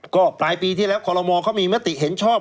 ก็ปลายปีที่แล้วคอลโมเขามีมติเห็นชอบ